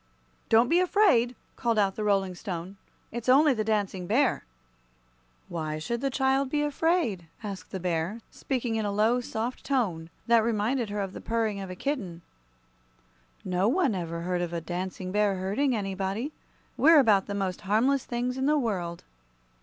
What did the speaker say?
"Don't be afraid," called out the Rolling Stone; "it's only the Dancing Bear." "Why should the child be afraid?" asked the bear, speaking in a low, soft tone that reminded her of the purring of a kitten. "No one ever heard of a Dancing Bear hurting anybody. We're about the most harmless things in the world."